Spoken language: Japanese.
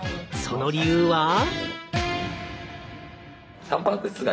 その理由は？